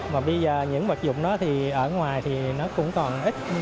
mà bây giờ những vật dục đó thì ở ngoài thì nó cũng còn ít